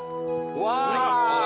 うわ！